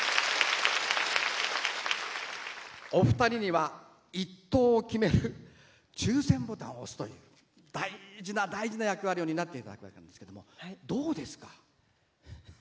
お二人には１等を決める抽せんボタンを押すという大事な大事な役割を担っていただくんですけどどうですか？